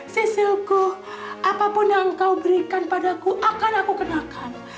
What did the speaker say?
sisilku apapun yang engkau berikan padaku akan aku kenakan